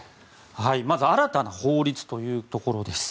まず新たな法律というところです。